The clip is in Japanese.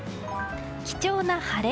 貴重な晴れ。